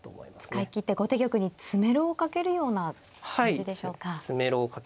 使い切って後手玉に詰めろをかけるような感じでしょうか。